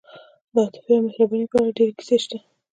د عاطفې او مهربانۍ په اړه ډېرې کیسې شته.